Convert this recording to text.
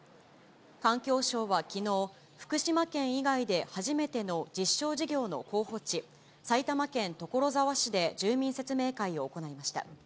環境省はきのう、福島県以外で初めての実証事業の候補地、埼玉県所沢市で住民説明会を行いました。